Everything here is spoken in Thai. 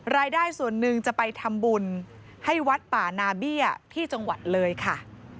รายได้ส่วนหนึ่งจะไปทำบุญให้วัดป่านาเบี้ยที่จังหวัดเลยค่ะ